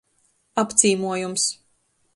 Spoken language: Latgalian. Apcīmuojums.